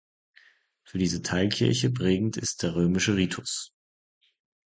Für diese Teilkirche prägend ist der Römische Ritus.